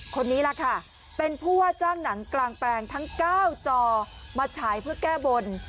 คนนี้ล่ะค่ะเป็นผู้ว่าจ้างหนังกลางแปลงทั้ง๙จอมาฉายเพื่อแก้บน